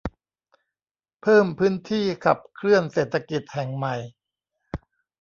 เพิ่มพื้นที่ขับเคลื่อนเศรษฐกิจแห่งใหม่